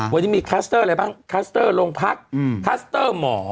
วันนี้มีคลัสเตอร์อะไรบ้างคลัสเตอร์โรงพักคลัสเตอร์หมอ